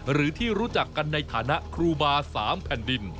หรือที่รู้จักกันในฐานะครูบา๓แผ่นดิน